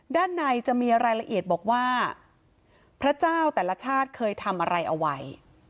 ด้านในจะมีรายละเอียดบอกว่าพระเจ้าแต่ละชาติเคยทำอะไรเอาไว้